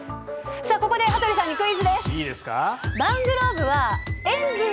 さあ、ここで羽鳥さんにクイズです。